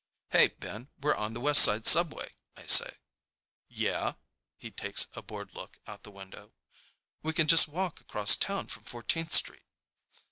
"Hey, Ben, we're on the West Side subway," I say. "Yeah?" He takes a bored look out the window. "We can just walk across town from Fourteenth Street."